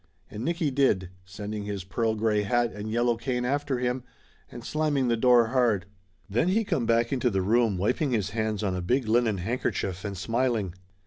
And 'Nicky did, sending his pearl gray hat and yellow cane after him and slamming the door hard. Then he come back into the room wiping his hands on a big linen handkerchief and smiling.